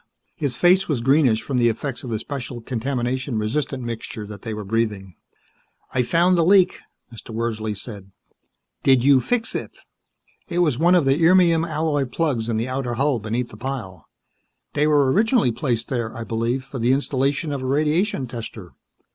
His face was greenish from the effects of the special, contamination resistant mixture that they were breathing. "I found the leak," Mr. Wordsley said. "Did you fix it?" "It was one of the irmium alloy plugs in the outer hull beneath the pile. They were originally placed there, I believe, for the installation of a radiation tester.